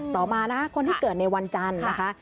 ต่อมานะคนที่เกิดในวันจันทร์นะคะ